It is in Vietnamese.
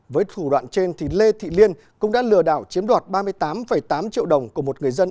với thủ đoạn trên lê thị liên cũng đã lừa đảo chiếm đoạt ba mươi tám tám triệu đồng của một người dân